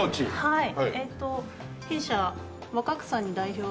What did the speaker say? はい。